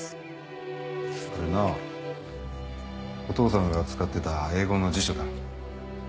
これはなお父さんが使ってた英語の辞書だ。